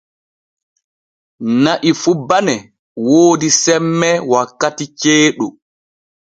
Na'i fu bane woodi semme wakkati ceeɗu.